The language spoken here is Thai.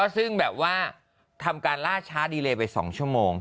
ซึ่งแบบว่าทำการล่าช้าดีเลไป๒ชั่วโมง